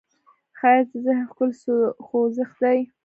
ښایست د ذهن ښکلې خوځښت دی